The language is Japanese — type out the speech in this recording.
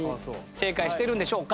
正解してるんでしょうか？